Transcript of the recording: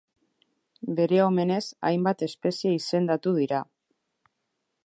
Bere omenez hainbat espezie izendatu dira.